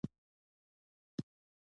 کالي مو ځای پر ځای کړل.